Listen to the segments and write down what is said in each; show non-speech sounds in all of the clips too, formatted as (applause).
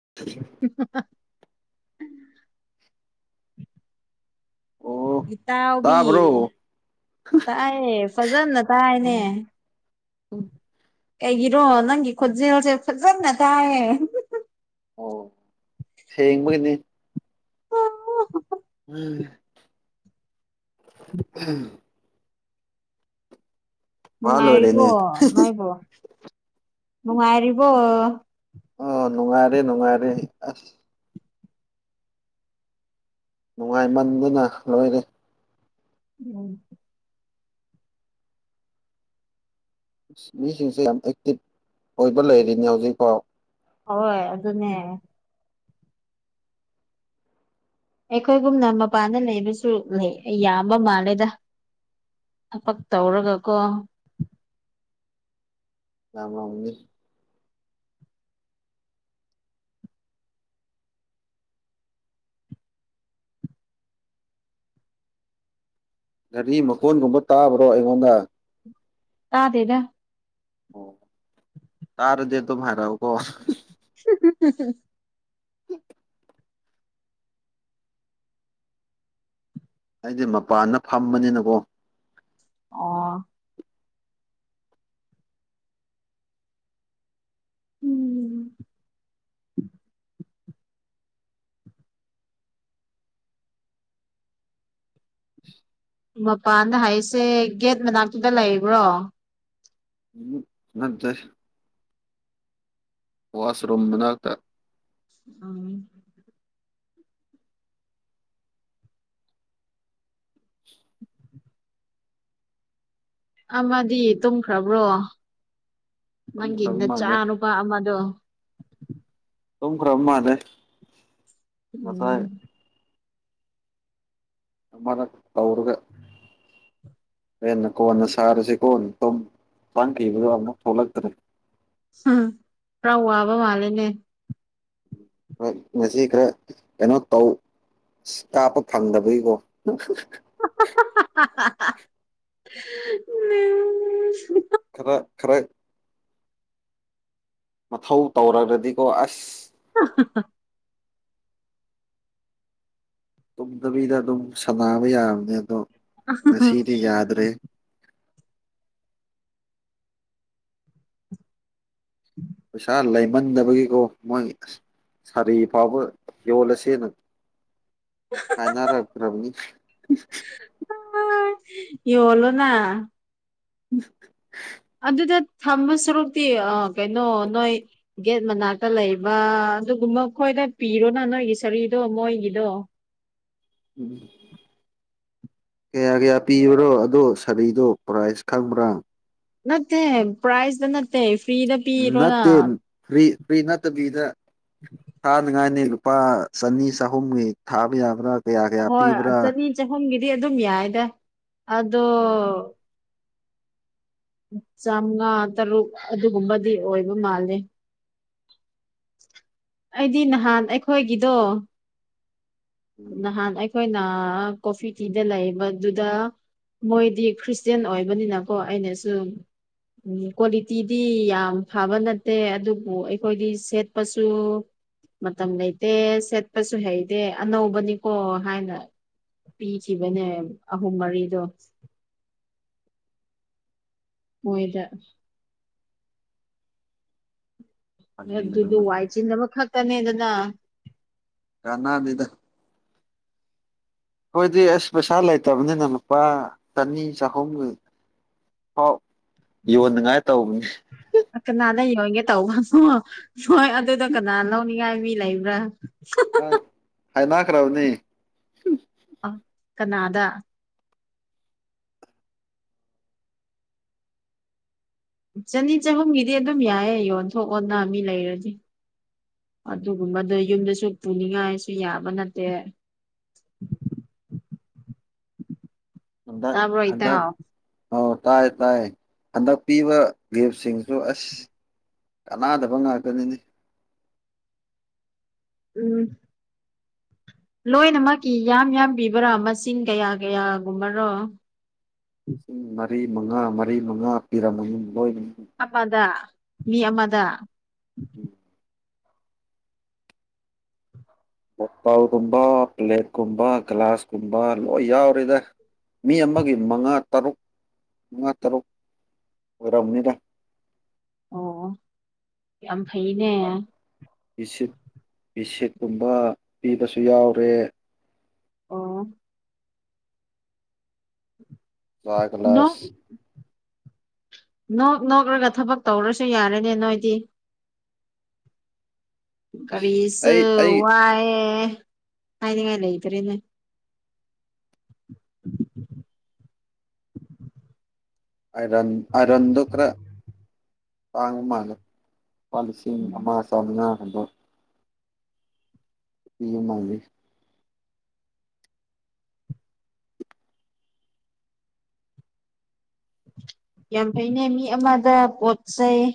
(inaudible) ꯑꯣ ꯏ ꯇꯕꯤ ꯇꯥꯕ꯭ꯔꯣ ꯇꯥꯏꯑꯌꯦ ꯐꯖꯅ ꯇꯥꯏꯅꯦ ꯎꯝ ꯎꯝ ꯑꯩꯒꯤꯔꯣ ꯅꯪꯒꯤ ꯈꯨꯖꯦꯜꯁꯦ ꯐꯖꯟꯅ ꯇꯥꯏꯌꯦ ꯑꯣ ꯁꯦꯡꯕꯒꯤꯅꯤ ꯎꯝ ꯎꯝ ꯃꯥ ꯂꯣꯏꯔꯦꯅꯦ ꯅꯨꯡꯉꯥꯏꯔꯤꯕꯣ ꯅꯣꯏꯕꯣ ꯅꯨꯡꯉꯥꯏꯔꯤꯕꯣ ꯑꯣ ꯅꯨꯡꯉꯥꯏꯔꯦ ꯅꯨꯡꯉꯥꯏꯔꯦ ꯑꯁ ꯅꯨꯡꯉꯥꯏꯃꯟꯗꯅ ꯂꯣꯏꯔꯦ ꯎꯝ ꯃꯤꯁꯤꯡꯁꯦ ꯌꯥꯝ ꯑꯦꯛꯇꯤꯚ ꯑꯣꯏꯕ ꯂꯩꯔꯤꯅꯤ ꯍꯧꯖꯤꯛꯐꯥꯎ ꯍꯣꯏ ꯑꯗꯨꯅꯦ ꯑꯩꯈꯣꯏꯒꯨꯝꯅ ꯃꯄꯥꯟꯗ ꯂꯩꯕꯁꯨ ꯂꯩ ꯑꯩ ꯌꯥꯝꯕ ꯃꯥꯜꯂꯦꯗ ꯊꯕꯛ ꯇꯧꯔꯒꯀꯣ ꯑꯃꯅꯤ ꯒꯥꯔꯤ ꯃꯈꯣꯟꯒꯨꯝꯕ ꯇꯥꯕ꯭ꯔꯣ ꯑꯩꯉꯣꯟꯗ ꯇꯥꯗꯗ ꯑꯣ ꯇꯔꯗꯤ ꯑꯗꯨ ꯍꯥꯏꯔꯥꯎ ꯀ ꯍꯝ ꯍ ꯑꯩꯗꯤ ꯃꯄꯥꯟꯗ ꯐꯝꯕꯅꯤꯅꯀꯣ ꯑꯣ ꯎꯝ (inaudible) ꯃꯄꯥꯟꯗ ꯍꯥꯏꯔꯤꯁꯦ ꯒꯦꯠ ꯃꯅꯥꯛꯇꯨꯗ ꯂꯩꯕ꯭ꯔꯣ ꯎ ꯆꯗꯔ ꯋꯥꯁꯔꯨꯝꯃ ꯃꯅꯥ ꯇ ꯑꯝ (inaudible) ꯇꯨꯝꯈ꯭ꯔꯕ꯭ꯔꯣ ꯇꯨꯝꯈ꯭ꯔꯕ ꯃꯥꯜꯂꯦ ꯅꯪꯒꯤꯅꯆꯥꯅꯨꯄꯥ ꯑꯃꯗꯣ ꯇꯝꯈ꯭ꯔꯃꯗ ꯎꯝ ꯑꯃꯅ ꯇꯧꯔꯒ ꯑꯦꯅ ꯀꯣꯅ ꯁꯔꯦꯁꯤ ꯀꯣꯅꯤ ꯆꯥꯡꯈꯤꯕꯗꯣ ꯑꯃꯨꯛ ꯊꯣꯛꯂꯛꯇ꯭ꯔꯦ ꯎꯝ ꯔ꯭ꯔꯥꯎ ꯋꯥꯕ ꯃꯥꯂꯦꯅꯦ ꯉꯁꯤ ꯈꯔ ꯀꯩꯅꯣ ꯇꯧ ꯀꯥꯞꯄ ꯐꯪꯗꯕꯒꯤꯀꯣ ꯎꯝ ꯈꯔ ꯈꯔ ꯃꯊꯧ ꯇꯧꯒꯗꯤꯀꯣ ꯑꯁ (inaudible) ꯇꯨꯝꯗꯕꯤꯗ ꯑꯗꯨꯝ ꯁꯥꯟꯅꯕ ꯌꯥꯕꯅꯦ ꯑꯗꯣ ꯉꯁꯤꯗꯤ ꯌꯥꯗ꯭ꯔꯦ ꯄꯩꯁꯥ ꯂꯩꯃꯟꯗꯕꯒꯤꯀꯣ ꯃꯣꯏ ꯑꯁ ꯁꯥꯔꯤ ꯐꯥꯎꯕ ꯌꯣꯜꯂꯁꯦ ꯅ ꯀꯥꯏꯅꯔꯛ ꯇꯔꯕꯅꯤ ꯍꯥ ꯌꫭꯜꯂꫭꯅ ꯎꯝ ꯑꯗꯨꯗ ꯊꯝꯕ ꯁꯔꯨꯛꯇꯤ ꯑ ꯀꯩꯅꯣ ꯅꯣꯏ ꯒꯦꯠ ꯃꯅꯥꯛꯇ ꯂꯩꯕ ꯑꯗꯨꯒꯨꯝꯕ ꯃꯈꯣꯏꯗ ꯄꯤꯔꯣꯅ ꯅꯣꯏꯒꯤ ꯁꯔꯤꯗꯣ ꯃꯣꯏꯒꯤꯗꯣ ꯎꯝ ꯀꯌꯥ ꯀꯌꯥ ꯄꯤꯕꯔꯣ ꯑꯗꯣ ꯁꯥꯔꯤꯗꯣ ꯄ꯭ꯔꯥꯏꯁ ꯈꯪꯕ꯭ꯔꯥ ꯅꯠꯇꯦ ꯄ꯭ꯔꯥꯏꯁꯗ ꯅꯠꯇꯦ ꯐ꯭ꯔꯤꯗ ꯄꯤꯔꯣꯅ ꯅꯠꯇꯦ ꯐꯔꯤ ꯐꯔꯤ ꯅꯠꯇꯕꯤꯗ ꯊꯥ ꯅꯤꯡꯉꯥꯏꯅꯤ ꯂꯨꯄꯥ ꯆꯅꯤ ꯆꯍꯨꯝꯒꯤ ꯊꯥꯕ ꯌꯥꯕ꯭ꯔꯥ ꯀꯌꯥ ꯀꯌꯥ ꯍꯣꯏ ꯄꯤꯕ꯭ꯔꯥ ꯆꯅꯤ ꯆꯍꯨꯝꯒꯤꯗꯤ ꯑꯗꯨꯝ ꯌꯥꯏꯗ ꯑꯗꯣ ꯆꯥꯝꯉꯥ ꯇꯔꯨꯛ ꯑꯗꯨꯒꯨꯝꯕꯗꯤ ꯑꯣꯏꯕ ꯃꯥꯜꯂꯦ ꯑꯩꯗꯤ ꯅꯍꯥꯟ ꯑꯩꯈꯣꯏꯒꯤꯗꯣ ꯅꯍꯥꯟ ꯑꯩꯈꯣꯏꯅ ꯀꯣꯐꯤ ꯊꯤꯗ ꯂꯩꯕꯗꯨꯗ ꯃꯣꯏꯗꯤ ꯈ꯭ꯔꯤꯁꯇꯦꯟ ꯑꯣꯏꯕꯅꯤꯅꯀꯣ ꯑꯩꯅ ꯁꯨꯝ ꯎꯝ ꯀ꯭ꯋꯥꯂꯤꯇꯤꯗꯤ ꯌꯥꯝ ꯐꯕ ꯅꯠꯇꯦ ꯑꯗꯨꯕꯨ ꯑꯩꯈꯣꯏꯗꯤ ꯁꯦꯠꯄꯁꯨ ꯃꯇꯝ ꯂꯩꯇꯦ ꯁꯦꯠꯄꯁꯨ ꯍꯩꯇꯦ ꯑꯅꯧꯕꯅꯤꯀꯣ ꯍꯥꯏꯅ ꯄꯤꯈꯤꯕꯅꯦ ꯑꯍꯨꯝ ꯃꯔꯤꯗꯣ ꯃꫭꯏꯗ ꯑꯗꯨꯗꯨ ꯋꯥꯏ ꯆꯤꯟꯅꯕ ꯈꯛꯇꯅꯦꯗꯅ ꯀꯅꯥꯟ ꯅꯤꯗ ꯈꫭꯏꯗꯤ ꯑꯁ ꯄꯩꯁꯥ ꯂꯩꯇꯕꯅꯤꯅ ꯂꯨꯄꯥ ꯆꯅꯤ ꯆꯍꯨꯝꯒꯤ ꯑꯥꯎ ꯌꯣꯟꯅꯉꯥꯏ ꯇꯧꯕꯅꯤ ꯀꯅꯥꯗ ꯌꯣꯟꯒꯦ ꯇꯧꯕꯅꯣ ꯍꯣꯏ ꯑꯗꯨꯗ ꯀꯅꯥ ꯂꯧꯅꯤꯡꯉꯥꯏ ꯃꯤ ꯂꯩꯕ꯭ꯔꯥ ꯍꯥ ꯍꯥ ꯍꯥ ꯍꯥꯏꯅꯥꯈ꯭ꯔꯕꯅꯤ ꯑ ꯀꯅꯥꯗꯥ ꯆꯅꯤ ꯆꯍꯨꯝꯒꯤꯗꯤ ꯑꯗꯨꯝ ꯌꯥꯏꯌꯦ ꯌꯣꯟꯊꯣꯛ ꯑꯣꯅ ꯃꯤ ꯂꯩꯔꯗꯤ ꯑꯗꯨꯒꯨꯝꯕꯗ ꯌꯨꯝꯗꯁꯨ ꯄꯨꯅꯤꯡꯉꯥꯏꯁꯨ ꯌꯥꯕ ꯅꯠꯇꯦ (unintelligible) (inaudible) ꯍꯟꯗꯛ ꯇꯕꯔꯣ ꯍꯟꯗꯛ ꯏꯇꯥꯎ ꯑꯧ ꯇꯥꯏꯌꯦ ꯇꯥꯏꯌꯦ ꯍꯟꯗꯛ ꯄꯤꯕ ꯒꯤꯐꯁꯤꯡꯗꯨ ꯑꯁ ꯀꯥꯟꯅꯗꯕ ꯉꯥꯛ ꯇꯅꯤꯅꯦ ꯎꯝ ꯂꯣꯏꯅꯃꯛꯀꯤ ꯌꯥꯝ ꯌꯥꯝꯕꯤꯕ꯭ꯔꯥ ꯃꯁꯤꯡ ꯀꯌꯥ ꯀꯌꯥꯒꯨꯝꯕ꯭ꯔꯣ ꯂꯤꯁꯤꯡ ꯃꯔꯤ ꯃꯉꯥ ꯃꯔꯤ ꯃꯉꯥ ꯄꯤꯔꯝꯃꫭꯏ ꯌꯨꯝ ꯑꯞꯄꯗ ꯃꯤ ꯑꯃꯗ ꯎꯝ ꯀꫭꯛꯇꯥꯎꯒꯨꯝꯕ ꯄ꯭ꯂꯦꯠꯀꯨꯝꯕ ꯒ꯭ꯂꯥꯁꯀꯨꯝꯕ ꯂꯣꯏ ꯌꯥꯎꯔꯦꯗ ꯃꯤ ꯑꯃꯒꯤ ꯃꯪꯉꯥ ꯇꯔꯨꯛ ꯃꯪꯉꯥ ꯇꯔꯨꯛ ꯑꯣꯏꯔꯝ ꯅꯤꯗ ꯑꯣ ꯌꯥꯝ ꯐꯩꯅꯦ ꯏꯁꯤꯠ ꯏꯁꯤꯠ ꯨꯇꯨꯡꯗ ꯄꯤꯕꯁꯨ ꯌꯥꯎꯔꯦ ꯑꯣ ꯆꯥ ꯅꯣꯛ ꯒꯂꯥ꯭ꯁ ꯅꯣꯛ ꯅꯣꯛꯂꯒ ꯊꯕꯛ ꯇꯧꯔꯁꯨ ꯌꯥꯔꯦꯅꯦ ꯅꯣꯏꯗꯤ ꯑꯁ ꯀꯔꯤꯁꯨ ꯑꯩ ꯑꯩ ꯋꯥꯏꯑꯦ ꯈꯥꯏꯅꯤꯡꯉꯥꯏ ꯂꯩ ꯇꯔꯦꯅꯦ (unintelligible) ꯑꯔ ꯑꯔꯗꯨ ꯀ꯭ꯔ ꯄꯥꯉ ꯃꯥꯂ ꯂꯨꯄꯥ ꯂꯤꯁꯤꯡ ꯎꯝ ꯑꯃ ꯆꯥꯝꯃꯉꯥ ꯍꯟꯗꯣꯛ ꯁꯤ ꯃꯥꯜꯂꯤ ꯌꯥꯝ ꯐꯩꯅ ꯃꯤ ꯑꯃꯗ ꯄꯣꯠ ꯆꯩꯩ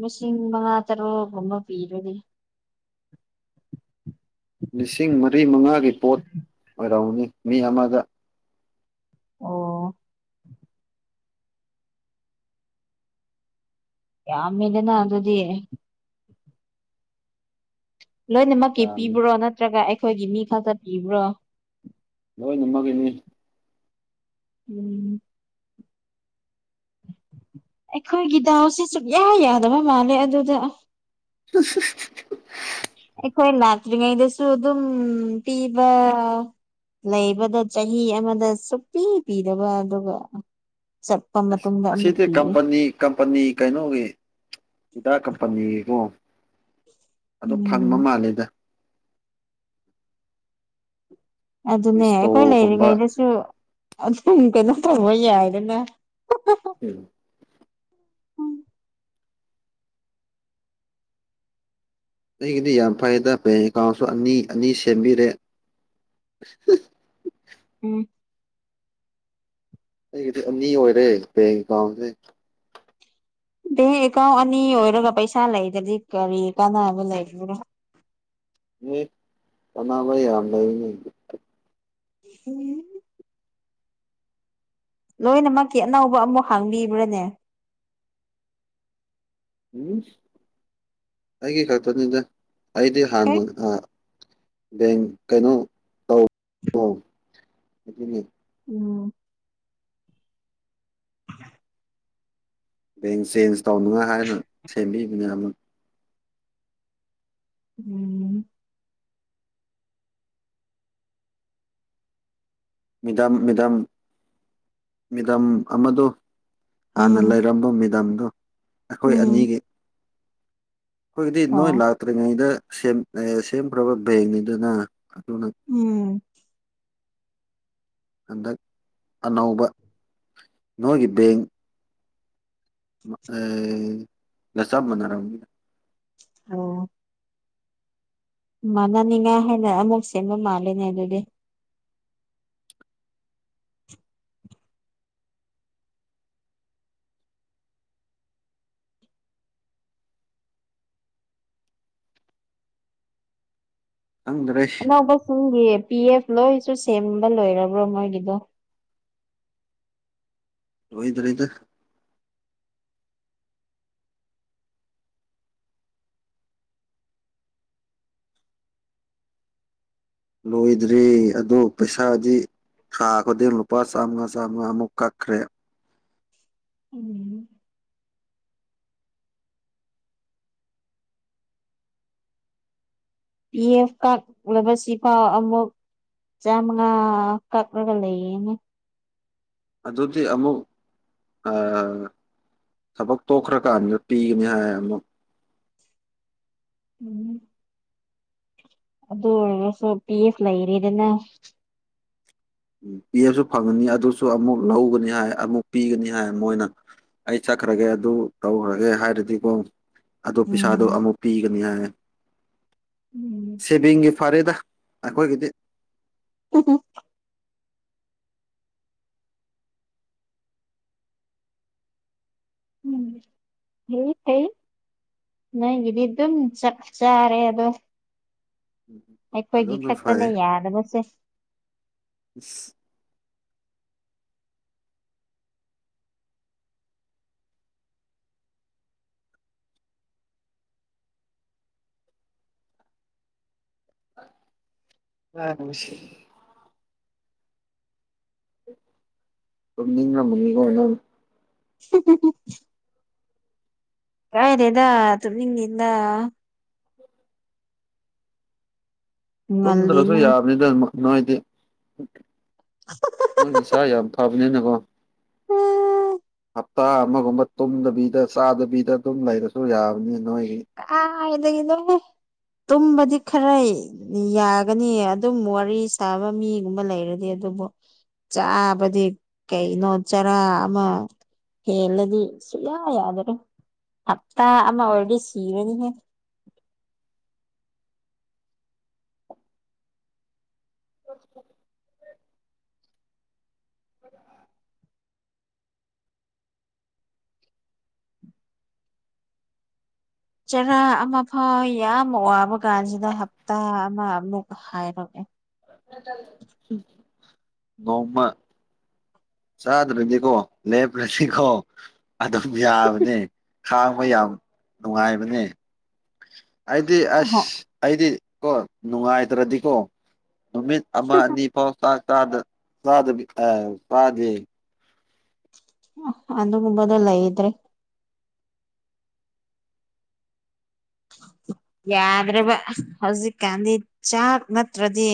ꯂꯤꯁꯤꯡ ꯃꯉꯥ ꯇꯔꯨꯛꯒꯨꯝꯕ ꯄꯤꯔꯅꯤ ꯂꯤꯁꯤꯡ ꯃꯔꯤ ꯃꯉꯥꯒꯤ ꯄꯣꯠ ꯑꯣꯏꯔꯎꯅꯤ ꯃꯤ ꯑꯃꯗ ꯑꯣ ꯌꯥ ꯃꯦꯂꯅ ꯑꯗꯨꯗꯗꯤ ꯂꯣꯏꯅꯃꯛꯀꯤ ꯌꯥꯝꯃꯤ ꯄꯤꯕ꯭ꯔꯣ ꯅꯠꯇ꯭ꯔꯒ ꯑꯩꯈꯣꯏꯒꯤ ꯃꯤ ꯈꯛꯇ ꯄꯤꯕ꯭ꯔꯣ ꯂꯣꯏ ꯅꯝꯃꯒꯤꯩꯅꯦ ꯎꯝ ꯑꯩꯈꯣꯏꯒꯤ ꯗꯥꯎꯁꯦ ꯁꯨꯛꯌꯥ ꯌꯥꯗꯕ ꯃꯥꯜꯂꯦ ꯑꯗꯨꯗ (inaudible) ꯑꯩꯈꯣꯏ ꯂꯥꯛꯇ꯭ꯔꯤꯉꯩꯗꯁꯨ ꯑꯗꯨꯝ ꯄꯤꯕ ꯂꯩꯕꯗ ꯆꯍꯤ ꯑꯃꯗ ꯁꯛꯄꯤ ꯄꯗꯕ ꯑꯗꯨꯒ ꯆꯠꯄ ꯃꯇꯨꯡꯗ ꯑꯃꯨꯛ ꯑꯁꯤꯁꯗꯤ ꯄꯤꯌꯦ ꯀꯝꯄꯅꯤ ꯀꯝꯄꯅꯤ ꯀꯩꯅꯩꯅꯣꯒꯦ ꯍꯤꯗꯥ ꯀꯝꯄꯅꯤꯒꯤꯀꯣ ꯑꯗꯨ ꯐꯪꯕ ꯎꯝ ꯃꯥꯜꯂꯦꯗ ꯑꯗꯨꯅꯦ ꯑꯩꯈꯣꯏ ꯔꯤꯁꯇꯣꯒꯨꯝꯕ ꯂꯩꯔꯤꯉꯩꯗꯁꯨ ꯑꯗꯨꯝ ꯀꯩꯅꯣ ꯇꯧꯕ ꯌꯥꯏꯗꯅ ꯎꯝ ꯍ ꯑꯩꯒꯤꯗꯤ ꯌꯥꯝ ꯐꯩꯗ ꯕꯦꯡ ꯑꯦꯀꯥꯎꯟꯁꯨ ꯑꯅꯤ ꯑꯅꯤ ꯁꯦꯝꯕꯤꯔꯦ (inaudible) ꯎꯝ ꯑꯩꯒꯤꯗꯤ ꯑꯅꯤ ꯑꯣꯏꯔꯦ ꯕꯦꯡ ꯑꯦꯀꯥꯎꯟꯁꯦ ꯕꯦꯡ ꯑꯦꯀꯥꯎꯟ ꯑꯅꯤ ꯑꯣꯏꯔꯒ ꯄꯩꯁꯥ ꯂꯩꯗ꯭ꯔꯗꯤ ꯀꯔꯤ ꯀꯥꯟꯅꯕ ꯂꯩꯕꯔꯥ ꯎ ꯄꯅꯥꯕ ꯌꯥꯟ ꯂꯩꯅꯤ ꯎꯝ ꯂꯣꯏꯅꯃꯛꯀꯤ ꯑꯅꯧꯕ ꯑꯃꯨꯛ ꯍꯥꯡꯕꯤꯕ꯭ꯔꯥꯅꯦ ꯎꯝ ꯑꯩꯒꯤ ꯀꯥꯛꯛꯇꯅꯤꯗ ꯑꯩꯗꯤ ꯑꯦ ꯍꯅ ꯑ ꯦꯟ ꯀꯩꯅꯣ ꯇ ꯎꯝ ꯕꯦꯡ ꯆꯦꯟꯖ ꯇꯧꯅꯉꯥꯏ ꯍꯥꯏꯅ ꯁꯦꯝꯕꯤꯕꯅꯦ ꯑꯃ ꯎꯝ ꯃꯤꯗꯝ ꯃꯤꯗꯝ ꯃꯤꯗꯝ ꯑꯃꯗꯣ ꯍꯥꯟꯅ ꯎꯝ ꯂꯩꯔꯝꯕ ꯃꯦꯗꯥꯗꯨ ꯑꯩꯈꯣꯏ ꯎꯝ ꯑꯅꯤꯒꯤ ꯑꯩꯈꯣꯏꯗꯤ ꯅꯣꯏ ꯑꯣ ꯂꯥꯛꯇ꯭ꯔꯤꯉꯩꯗ ꯁꯦꯝꯈ꯭ꯔꯕ ꯕꯦꯡꯅꯤꯗꯨꯅ ꯇꯅ ꯎꯝ ꯍꯟꯗꯛ ꯑꯅꯧꯕ ꯅꯣꯏꯒꯤ ꯕꯦꯡ ꯑ ꯉꯁꯥ ꯃꯅꯥꯔ ꯑꯣ ꯃꯥꯟꯅꯅꯤꯡꯉꯥꯏ ꯍꯥꯏꯅ ꯑꯃꯨꯛ ꯁꯦꯝꯕ ꯃꯥꯂꯅꯦ ꯑꯗꯨꯗꯤ ꯈꯪꯗ꯭ꯔꯦ ꯑ ꯑꯣꯕ ꯁꯨꯨꯡꯦ ꯄꯤ ꯑꯦꯐ ꯂꯣꯏꯁꯨ ꯁꯦꯝꯕ ꯂꯣꯏꯔꯕ꯭ꯔꯣ ꯃꯣꯏꯒꯤꯗꯣ ꯂꯣꯏꯗ꯭ꯔꯤꯗꯥ ꯂꯣꯏꯗ꯭ꯔꯔꯤ ꯑꯣ ꯄꯩꯁꯥꯗꯤ ꯊꯥ ꯈꯨꯗꯤꯡ ꯂꯨꯄꯥ ꯆꯥꯝꯃꯉꯥ ꯆꯥꯝꯃꯉꯥ ꯑꯃꯨꯛ ꯀꯛꯈ꯭ꯔꯦ ꯎꯝ ꯄꯤ ꯑꯦꯐ ꯀꯛꯂꯕꯁꯤꯐꯥꯎ ꯑꯃꯨꯛ ꯆꯃꯉꯥ ꯀꯈꯒ ꯂꯩꯅꯤ ꯑꯗꯨꯗꯤ ꯑꯃꯨꯛ ꯊꯕꯛ ꯇꯣꯛꯈ꯭ꯔꯀꯥꯟꯗ ꯄꯤꯒꯅꯤ ꯍꯥꯏ ꯑꯃ ꯎꯝ ꯑꯗꯨ ꯑꯣꯏꯔꯔꯁꯨ ꯄꯤ ꯑꯦꯐ ꯂꯩꯔꯤꯗꯅ ꯎꯝ ꯄꯤꯕꯁꯨ ꯐꯪꯉꯅꯤ ꯑꯗꯨꯁꯨ ꯑꯃꯨꯛ ꯂꯧꯒꯅꯤ ꯍꯥꯏ ꯑꯃꯨꯛ ꯄꯤꯒꯅꯤ ꯍꯥꯏ ꯃꯣꯏꯅ ꯑꯩ ꯏꯁ ꯆꯠꯈ꯭ꯔꯒꯦ ꯑꯗꯨ ꯇꯧꯈ꯭ꯔꯒꯦ ꯍꯥꯏꯔꯗꯤꯀꯣ ꯑꯣ ꯄꯩꯁꯥꯗꯣ ꯎꯝ ꯑꯃꯨꯛ ꯄꯤꯒꯅꯤ ꯍꯥꯏ ꯎꯝ ꯁꯦꯚꯤꯡꯒꯤ ꯐꯔꯦꯗ ꯑꯩꯈꯣꯏꯒꯤꯗꯤ ꯎ ꯎꯝ ꯍ ꯍꯩ ꯅ ꯏꯗꯤ ꯑꯗꯨꯝ ꯆ ꯆꯥꯔꯦ ꯑꯗꯣ ꯑꯩꯈꯣꯏꯒꯤ ꯑꯗꯨꯅ ꯐꯩ ꯈꯛꯇꯅ ꯌꯥꯗꯅꯕꯁꯦ (unintelligible) ꯑ ꯁꯤ (unintelligible) (inaudible) ꯀꯥꯏ ꯔꯦꯗꯥ ꯇꯨꯃꯤ ꯅꯗꯥ ꯇꯨꯝꯗ꯭ꯔꯁꯨ ꯉꯜꯂꯤꯅ ꯌꯥꯕꯅꯤꯗꯅ ꯅꯣꯏꯗꯤ ꯅꯣꯏ ꯁꯥ ꯌꯥꯝꯗ ꯐꯕꯅꯦꯅꯀꯣ ꯎꯝ ꯍꯞꯇꯥ ꯑꯃꯒꯨꯝꯕ ꯇꯨꯝꯗꯕꯤꯗ ꯆꯥꯗꯕꯤꯗ ꯑꯗꯨꯝ ꯂꯩꯔꯁꯨ ꯌꯥꯕꯅꯤ ꯅꯣꯏ ꯑ ꯏꯗ ꯏꯗ ꯇꯨꯝꯕꯗꯤ ꯈꯔ ꯌꯥꯒꯅꯤ ꯑꯗꯨꯝ ꯋꯥꯔꯤ ꯁꯥꯕ ꯃꯤꯒꯨꯝꯕ ꯂꯩꯔꯗꯤ ꯑꯗꯨꯕꯨ ꯆꯥꯕꯗꯤ ꯀꯩꯅꯣ ꯆꯔꯥ ꯑꯃ ꯍꯦꯂꯗꯤ ꯁꯌꯥ ꯌꯥꯗ꯭ꯔꯣ ꯍꯞꯠꯇ ꯑꯃꯃ ꯑꯣꯔꯁꯤ ꯀꯕꯅꯤ ꯆꯔꯥ ꯑꯃ ꯐꯥꯎ ꯌꯥꯝ ꯋꯥꯕ ꯀꯥꯟꯁꯤꯗ ꯍꯞꯇꯥ ꯑꯃ ꯂ ꯍꯥꯏꯔꯦ ꯅꯣꯡꯃ ꯆꯥꯗ꯭ꯔꯅꯤꯀꯣ ꯂꯦꯞ꯭ꯔꯅꯤꯀꯣ ꯑꯗꯨꯝ ꯌꯥꯕꯅꯦ ꯈꯥꯡꯕ ꯌꯥꯝ ꯅꯨꯡꯉꯥꯏꯕꯅꯦ ꯑꯩꯗꯤ ꯑꯍꯣ ꯑꯁ ꯑꯩꯗꯤ ꯀ ꯅꯨꯡꯉꯥꯏꯇ꯭ꯔꯗꯤꯀꯣ ꯅꯨꯃꯤꯠ ꯑꯃ ꯑꯅꯤ ꯐꯥꯎ ꯆꯥꯛ ꯁꯥꯗ ꯁꯥꯗ ꯑ ꯁꯥꯖ ꯑꯗꯨꯗ ꯃꯕꯗꯂꯏꯗ꯭ꯔꯦ (inaudible) ꯌꯥꯗ꯭ꯔꯕ ꯍꯧꯖꯤꯛꯀꯥꯟꯗꯤ ꯆꯥꯛ ꯅꯠꯇ꯭ꯔꯗꯤ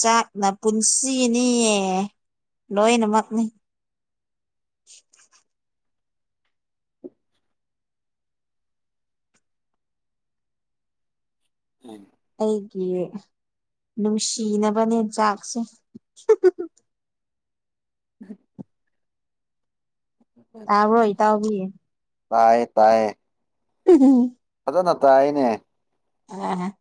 ꯆꯥꯛꯅ ꯄꯨꯟꯁꯤꯅꯤꯌꯦ ꯂꯣꯏꯅꯃꯛꯅꯤ (inaudible) ꯎꯝ ꯑꯩꯒꯤ ꯅꯨꯡꯁꯤꯅꯕꯅꯦ ꯆꯥꯛꯁꯦ ꯎꯝ ꯇꯥꯕ ꯏ ꯇꯕꯤ ꯇꯌꯦ ꯇꯥꯏꯌꯦ ꯎꯝꯝ ꯗ ꯅ ꯇꯥꯏꯅꯦ ꯑ